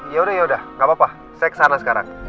yaudah yaudah nggak apa apa saya kesana sekarang